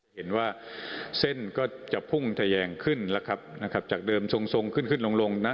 เห็นว่าเส้นก็จะพุ่งทะแยงขึ้นแล้วครับนะครับจากเดิมทรงทรงขึ้นขึ้นลงลงนะ